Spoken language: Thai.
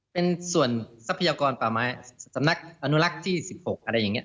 เป็นส่วนทรัพยากรป่าไม้สำนักอนุรักษ์ที่๑๖อะไรอย่างนี้